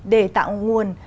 để tạo nguồn